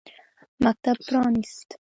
مکتب پرانیست.